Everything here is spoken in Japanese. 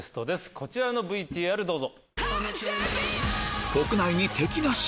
こちらのＶＴＲどうぞ。